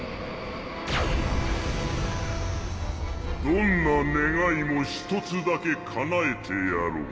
どんな願いも１つだけかなえてやろう。